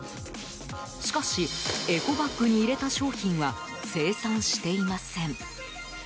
しかしエコバッグに入れた商品は精算していません。